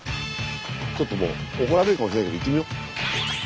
ちょっともう怒られるかもしれないけど行ってみよう。